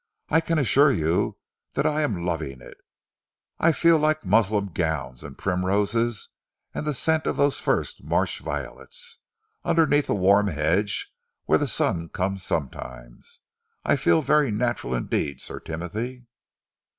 I can assure you that I am loving it. I feel like muslin gowns and primroses and the scent of those first March violets underneath a warm hedge where the sun comes sometimes. I feel very natural indeed, Sir Timothy."